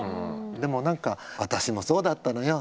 でも何か「私もそうだったのよ。